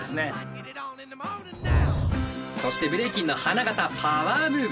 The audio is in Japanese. そしてブレイキンの花形パワームーブ。